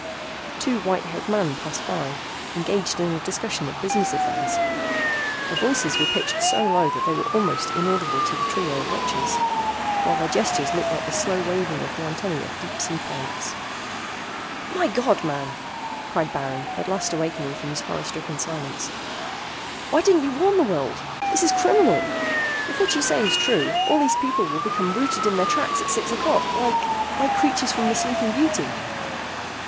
Two white haired men passed by, engaged in a discussion of business affairs. Their voices were pitched so low that they were almost inaudible to the trio of watchers, while their gestures looked like the slow waving of the antennae of deep sea plants. "My God, man!" cried Baron, at last awakening from his horror stricken silence. "Why didn't you warn the world? This is criminal. If what you say is true, all these people will become rooted in their tracks at six o'clock like like characters from 'The Sleeping Beauty.'"